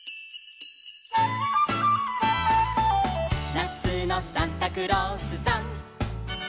「なつのサンタクロースさん」